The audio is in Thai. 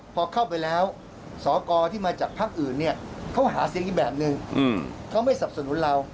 พอเข้าไปแล้วสกที่มาจากภักดิ์อื่นเนี่ยเขาหาเสียงอีกแบบนึงเขาไม่สับสนุนเรา